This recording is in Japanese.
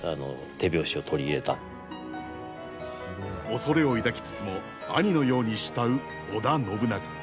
恐れを抱きつつも兄のように慕う織田信長。